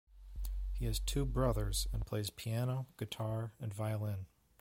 He has two brothers and plays piano, guitar and violin.